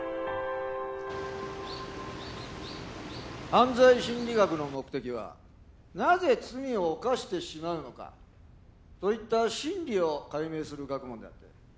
犯罪心理学の目的はなぜ罪を犯してしまうのかといった心理を解明する学問であり。